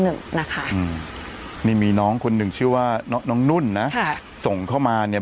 หนึ่งนะคะอืมนี่มีน้องคนหนึ่งชื่อว่าน้องน้องนุ่นนะค่ะส่งเข้ามาเนี่ย